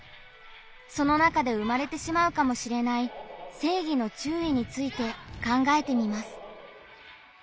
その中で生まれてしまうかもしれない「正義の注意」について考えてみます。